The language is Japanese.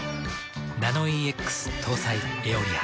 ナノイーＸ搭載「エオリア」。